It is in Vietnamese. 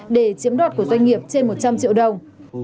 để chiếm đoạt của doanh nghiệp trên một trăm linh triệu đồng